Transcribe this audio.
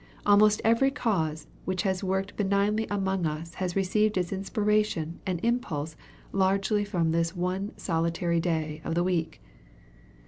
Almost every cause which has worked benignly among us has received its inspiration and impulse largely from this One Solitary Day of the week.